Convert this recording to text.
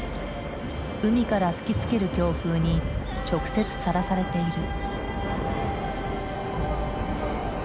海から吹きつける強風に直接さらされている。